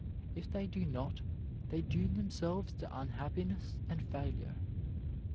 If they do not, they doom themselves to unhappiness and failure.